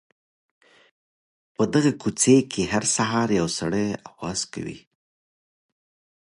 په دغه کوڅې کي هر سهار یو سړی اواز کوي.